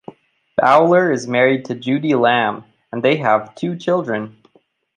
Bowler is married to Judi Lamb and they have two children.